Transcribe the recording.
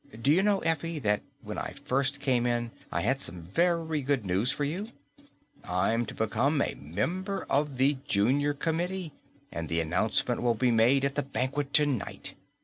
Do you know, Effie, that when I first came in, I had some very good news for you? I'm to become a member of the Junior Committee and the announcement will be made at the banquet tonight."